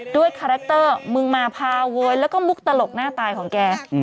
คาแรคเตอร์มึงมาพาโวยแล้วก็มุกตลกหน้าตายของแก